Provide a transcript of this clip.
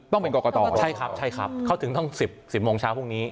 ต้องเป็นกรกตใช่ครับใช่ครับเขาถึงต้อง๑๐โมงเช้าพรุ่งนี้